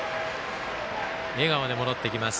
笑顔で戻ってきます。